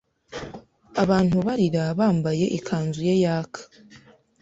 abantu barira bambaye ikanzu ye yaka